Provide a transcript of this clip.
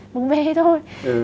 bứng bê thôi